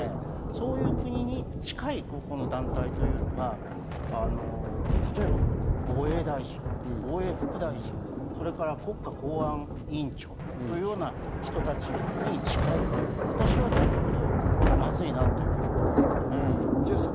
そういう国に近い団体というのが、例えば防衛大臣、防衛副大臣、それから国家公安委員長、というような人たちに近いというのは、私はちょっとまずいなと思いますけどね。